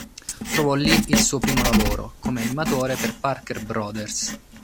Trovò lì il suo primo lavoro come animatore per Parker Brothers.